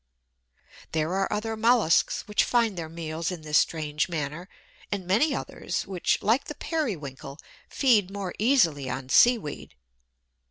There are other molluscs which find their meals in this strange manner, and many others which, like the Periwinkle, feed more easily on seaweed.